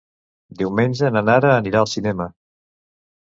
Diumenge na Nara anirà al cinema.